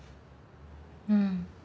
うん。